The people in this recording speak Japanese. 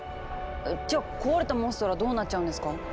じゃ壊れたモンストロはどうなっちゃうんですか？